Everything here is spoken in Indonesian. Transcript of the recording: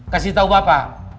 kasih tau bapak